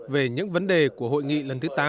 về những vấn đề của hội nghị lần thứ tám